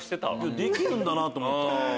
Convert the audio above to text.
できるんだな！と思った。